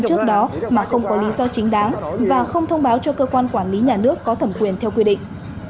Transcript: trước đó mà không có lý do chính đáng và không thông báo cho cơ quan quản lý nhà nước có thẩm quyền theo quy định